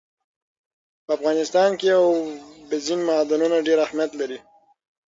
په افغانستان کې اوبزین معدنونه ډېر اهمیت لري.